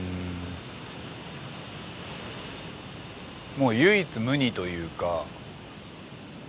もう唯一無二というか。